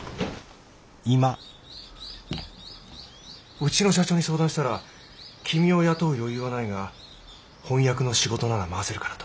うちの社長に相談したら君を雇う余裕はないが翻訳の仕事なら回せるからと。